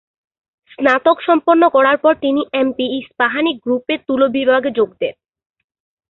স্নাতক সম্পন্ন করার পর তিনি এমপি ইস্পাহানি গ্রুপের তুলো বিভাগে যোগ দেন।